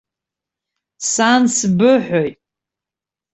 Сан, сбыҳәоит!